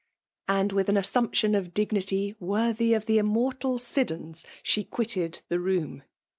And^ with an assump tion of dignity worthy of the immortal Siddons, she quitted the room.